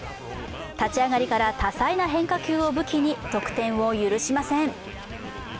立ち上がりから多彩な変化球を武器に得点を許しません。